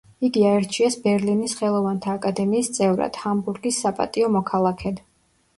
იგი აირჩიეს ბერლინის ხელოვანთა აკადემიის წევრად, ჰამბურგის „საპატიო მოქალაქედ“.